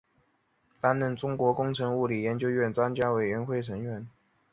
担任中国工程物理研究院专家委员会成员。